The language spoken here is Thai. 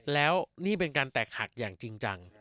แล้วนี่เป็นการแตกหักอย่างจริงจัง